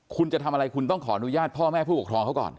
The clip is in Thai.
คุณจะทำอะไรคุณต้องขออนุญาตพ่อแม่ผู้ปกครองเขาก่อน